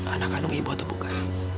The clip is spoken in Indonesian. anak kandung ibu atau bukan